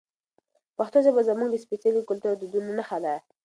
پښتو ژبه زموږ د سپېڅلي کلتور او دودونو نښه ده.